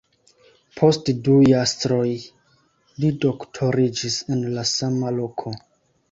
Post du jasroj li doktoriĝis en la sama loko.